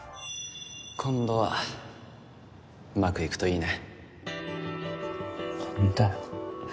今度はうまくいくといいね